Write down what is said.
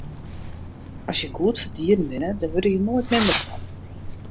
As je goed foar dieren binne, dêr wurde je noait minder fan.